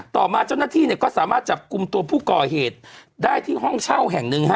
ต่อมาเจ้าหน้าที่เนี่ยก็สามารถจับกลุ่มตัวผู้ก่อเหตุได้ที่ห้องเช่าแห่งหนึ่งฮะ